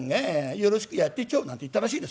よろしくやってちょ」なんて言ったらしいですね。